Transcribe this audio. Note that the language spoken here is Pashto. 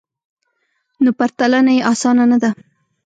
نو پرتلنه یې اسانه نه ده